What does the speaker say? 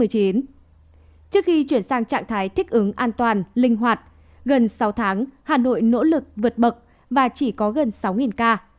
trước khi chuyển sang trạng thái thích ứng an toàn linh hoạt gần sáu tháng hà nội nỗ lực vượt bậc và chỉ có gần sáu ca